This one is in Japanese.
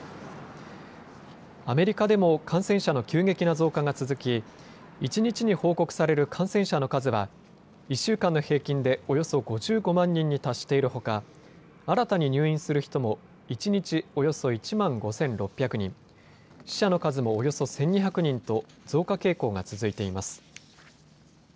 アメリカでも感染者の急激な増加が続き一日に報告される感染者の数は１週間の平均でおよそ５５万人に達しているほか新たに入院する人も一日およそ１万５６００人、死者の数もおよそ１２００人と増加傾向が続いています。